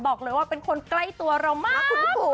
บอกเลยว่าเป็นคนใกล้ตัวเรามาก